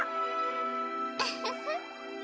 ウフフッ！